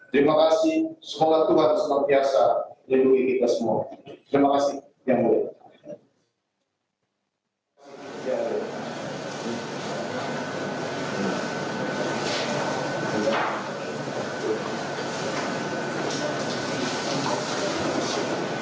terima kasih semoga tuhan semangat biasa lindungi kita semua terima kasih